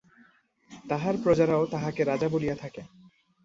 তাঁহার প্রজারাও তাঁহাকে রাজা বলিয়া থাকে।